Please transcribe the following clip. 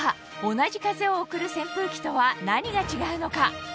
同じ風を送る扇風機とは何が違うのか？